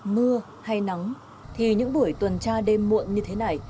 mưa hay nắng thì những buổi tuần tra đêm muộn như thế này